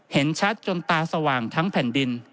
เห็นชัดจนตาสว่างทั้งแผ่นดิน